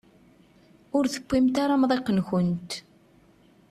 Ur tewwimt ara amḍiq-nkent.